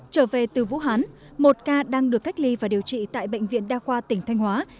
trở về từ vũ hán một ca đang được cách ly và điều trị tại bệnh viện đa khoa tỉnh thanh hóa